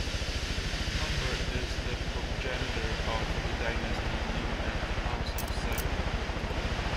Humbert is the progenitor of the dynasty known as the House of Savoy.